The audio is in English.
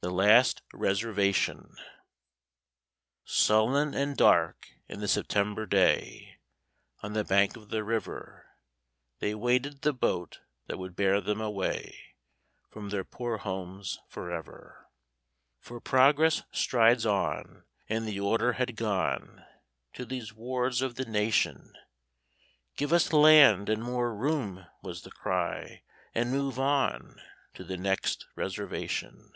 THE LAST RESERVATION Sullen and dark, in the September day, On the bank of the river They waited the boat that would bear them away From their poor homes forever. For progress strides on, and the order had gone To these wards of the nation, "Give us land and more room," was the cry, "and move on To the next reservation."